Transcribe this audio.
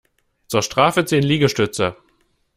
Zur Strafe zehn Liegestütze!